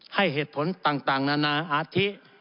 ให้เหตุผลต่างนานาอาธิ